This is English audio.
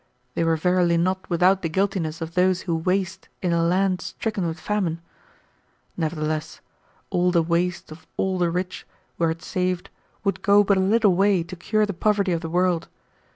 They were verily not without the guiltiness of those who waste in a land stricken with famine. Nevertheless, all the waste of all the rich, were it saved, would go but a little way to cure the poverty of the world.